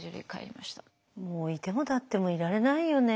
もう居ても立ってもいられないよね。